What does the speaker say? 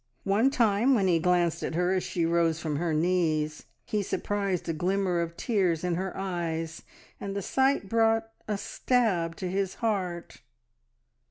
One time, when he glanced at her as she rose from her knees, he surprised a glimmer of tears in her eyes, and the sight brought a stab to his heart.